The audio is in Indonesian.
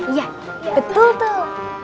iya betul tuh